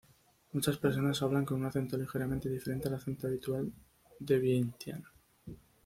Muchas personas hablan con un acento ligeramente diferente al acento habitual de vientián.